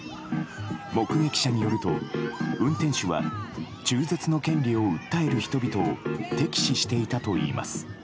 目撃者によると、運転手は中絶の権利を訴える人々を敵視していたといいます。